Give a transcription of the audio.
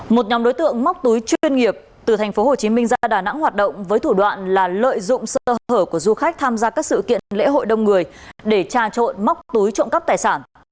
một nhóm đối tượng móc túi chuyên nghiệp từ tp hcm ra đà nẵng hoạt động với thủ đoạn là lợi dụng sơ hở của du khách tham gia các sự kiện lễ hội đông người để tra trộn móc túi trộm cắp tài sản